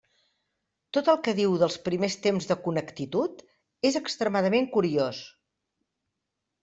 Tot el que diu dels primers temps de Connecticut és extremament curiós.